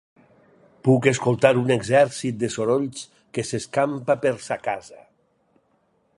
Puc escoltar un exèrcit de sorolls que s’escampa per sa casa.